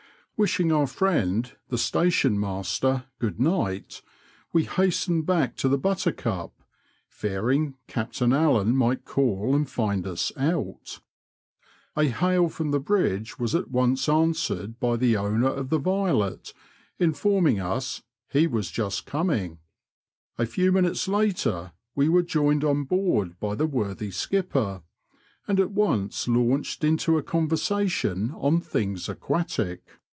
Wishing our friend the station master good night, we hastened back to the Buttercup, fearing Captain Allen might call and find us out." A hail from the bridge was at once answered by the owner of the Violet informing us " he was just coming." A few minutes later we were joined on board by the worthy skipper, and at once launched into a conversation on things aquatic.